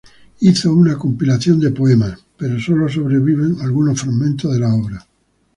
Hizo una compilación de poemas llamada pero sólo sobreviven algunos fragmentos de la obra.